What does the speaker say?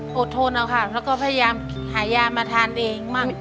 อดทนนะคะแล้วก็พยายามหายามาทานเองมั่ง